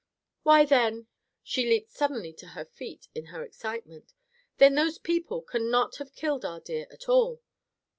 "Why, then—" she leaped suddenly to her feet in her excitement, "then those people can not have killed our deer at all!"